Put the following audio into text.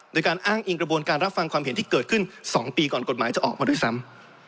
โดยการอ้างอิงกระบวนการรับฟังความเห็นที่เกิดขึ้น๒ปีก่อนกฎหมายจะออกมาด้วยซ้ำ